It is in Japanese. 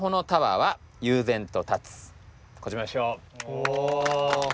お！